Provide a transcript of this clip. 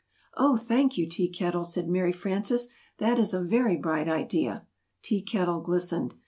"Oh, thank you, Tea Kettle," said Mary Frances, "that is a very bright idea." Tea Kettle glistened.